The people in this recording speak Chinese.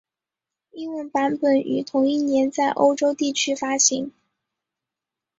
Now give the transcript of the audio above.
英文版本于同一年在欧洲地区发行。